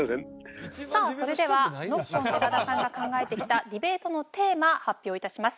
さあそれではノッコン寺田さんが考えてきたディベートのテーマ発表いたします。